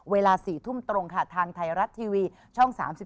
เวลา๔ทุ่มตรงค่ะทางไทยรัฐทีวีช่อง๓๒